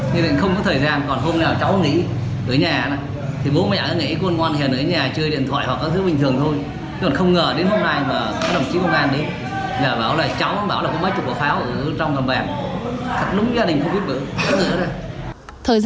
nhưng thì không có thời gian còn hôm nào cháu nghỉ ở nhà thì bố mẹ nghĩ con ngoan hiền ở nhà chơi điện thoại hoặc các thứ bình thường thôi